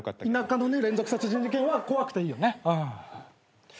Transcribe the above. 田舎の連続殺人事件は怖くていいよねうん。